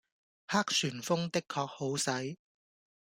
黑旋風的確好使